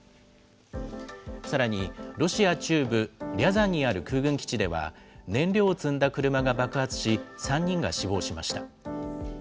さらにロシア中部リャザンにある空軍基地では燃料を積んだ車が爆発し、３人が死亡しました。